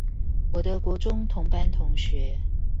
我的國中同班同學